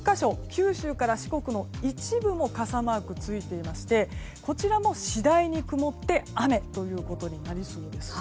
九州から四国の一部も傘マークついていましてこちらも次第に曇って雨ということになりそうです。